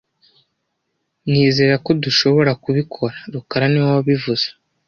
Nizera ko dushobora kubikora rukara niwe wabivuze